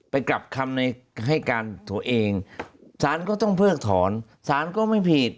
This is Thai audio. ไปกลับคำในให้การตัวเองสารก็ต้องเพิกถอนสารก็ไม่ผิด